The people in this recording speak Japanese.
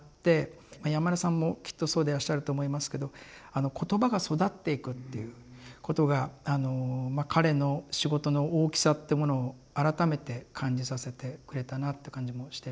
山根さんもきっとそうでらっしゃると思いますけど言葉が育っていくっていうことが彼の仕事の大きさってものを改めて感じさせてくれたなって感じもしてるんですよね。